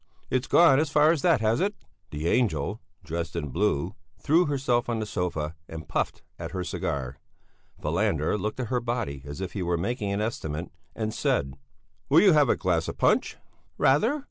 It's gone as far as that, has it?" The angel, dressed in blue, threw herself on the sofa and puffed at her cigar. Falander looked at her body as if he were making an estimate, and said: "Will you have a glass of punch?" "Rather!"